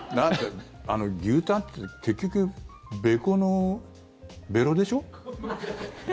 牛タンって結局、べこのべろでしょ。